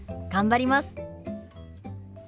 頑張ります。